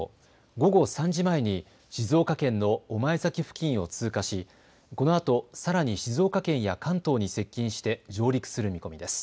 午後３時前に静岡県の御前崎付近を通過し、このあとさらに静岡県や関東に接近して上陸する見込みです。